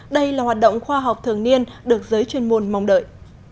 đây là hoạt động khoa học thường niên được giới chuyên môn mong đợi